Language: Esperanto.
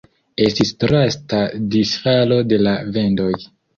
Estis drasta disfalo de la vendoj.